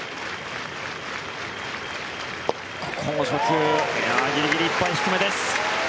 ここも初球ギリギリいっぱい低めです。